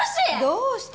どうして？